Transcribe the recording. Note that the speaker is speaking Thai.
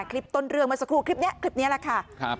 คลิปต้นเรื่องเมื่อสักครู่คลิปนี้คลิปนี้แหละค่ะ